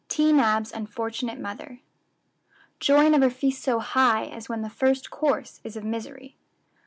T. NABB's Unfortunate Mother. "Joy never feasts so high, As when the first course is of misery."